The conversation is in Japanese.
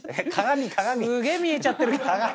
すげえ見えちゃってる。